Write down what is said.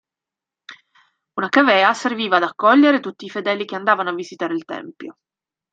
Una cavea serviva ad accogliere tutti i fedeli che andavano a visitare il tempio.